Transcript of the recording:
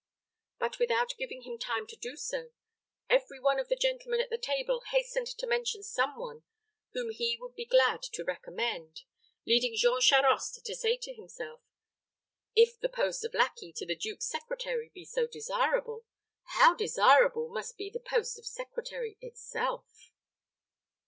But, without giving him time to do so, every one of the gentlemen at the table hastened to mention some one whom he would be glad to recommend, leading Jean Charost to say to himself, "If the post of lackey to the duke's secretary be so desirable, how desirable must be the post of secretary itself!"